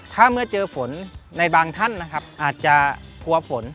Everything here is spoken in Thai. ถ้าเมื่อเจอฝนในบางท่านนะครับอาจจะกลัวฝน